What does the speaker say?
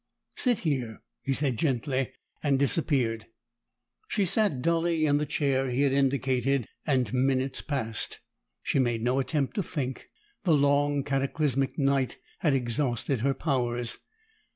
"Sit here," he said gently, and disappeared. She sat dully in the chair he had indicated, and minutes passed. She made no attempt to think; the long, cataclysmic night had exhausted her powers.